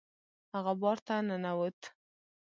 هغه بار ته ننوت.